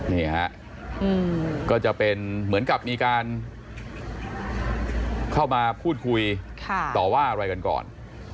นี่ฮะก็จะเป็นเหมือนกับมีการเข้ามาพูดคุยต่อว่าอะไรกันก่อน